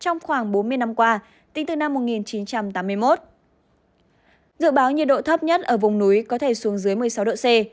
nhiệt độ thấp nhất ở vùng núi có thể xuống dưới một mươi sáu độ c